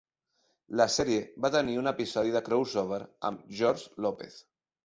La sèrie també va tenir un episodi de "crossover" amb "George Lopez".